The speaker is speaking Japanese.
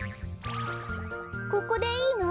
ここでいいの？